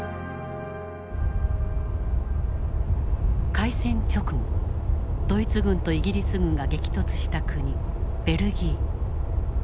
開戦直後ドイツ軍とイギリス軍が激突した国ベルギー。